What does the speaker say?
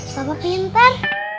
kalau pak pintar